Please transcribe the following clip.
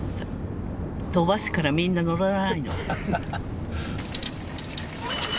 飛ばすからみんな乗らないの。